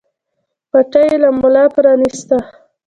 پټۍ يې له ملا پرانېسته.